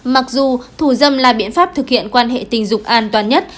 mặc dù thủ dâm là biện pháp thực hiện quan hệ tình dục an toàn nhất